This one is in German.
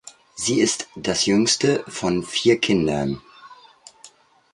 Sie ist das jüngste von vier Kindern.